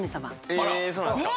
えそうなんですか。